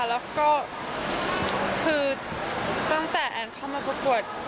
แล้วก็คือตั้งแต่แอนเข้ามาประกวด